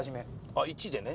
あっ一でね。